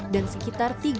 dan sekitar tiga juta orang